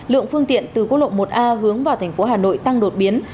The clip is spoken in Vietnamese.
lượng phương tiện từ quốc lộ một a hướng vào thành phố hà nội tăng đột biến